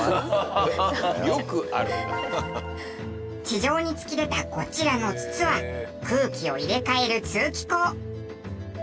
地上に突き出たこちらの筒は空気を入れ替える通気孔。